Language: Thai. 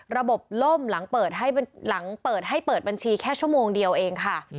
ระบบล่มหลังเปิดหลังเปิดให้เปิดบัญชีแค่ชั่วโมงเดียวเองค่ะ